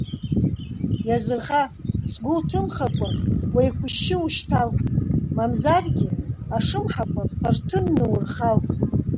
Иазырха, сгәы уҭымхакәа уеиқәшьшьы ушьҭал, мамзаргьы ашымҳақәа фарҭынны урхал!